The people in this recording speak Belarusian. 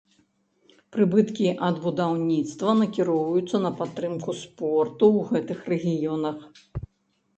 Прыбыткі ад будаўніцтва накіроўваюцца на падтрымку спорту ў гэтых рэгіёнах.